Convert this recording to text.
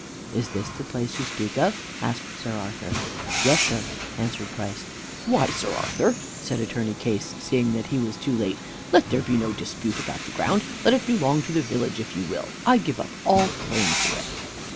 "Is this the place you speak of?" asked Sir Arthur. "Yes, sir," answered Price. "Why, Sir Arthur," said Attorney Case, seeing that he was too late, "let there be no dispute about the ground. Let it belong to the village if you will. I give up all claim to it."